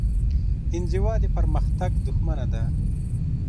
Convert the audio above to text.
انزوا د پرمختګ دښمنه ده.